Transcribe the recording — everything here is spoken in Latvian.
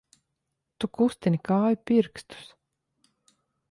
Tu kustini kāju pirkstus!